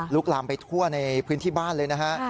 ลามไปทั่วในพื้นที่บ้านเลยนะฮะ